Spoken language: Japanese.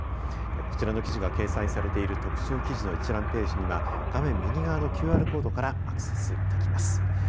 こちらの記事が掲載されている特集記事の一覧ページには画面右側のＱＲコードからアクセスできます。